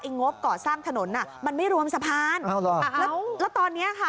งบก่อสร้างถนนอ่ะมันไม่รวมสะพานแล้วแล้วตอนเนี้ยค่ะ